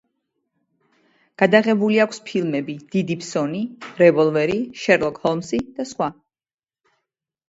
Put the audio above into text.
გადაღებული აქვს ფილმები „დიდი ფსონი“, „რევოლვერი“, „შერლოკ ჰოლმზი“ და სხვა.